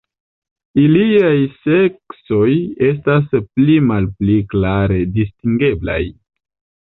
Iliaj seksoj estas pli malpli klare distingeblaj.